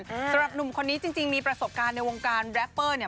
สำหรับหนุ่มคนนี้จริงมีประสบการณ์ในวงการแรปเปอร์เนี่ย